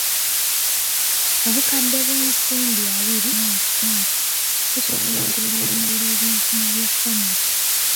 Obukadde bw'ensimbi abiri buli mwaka busobola okutumbula ebyenfuna bya famire.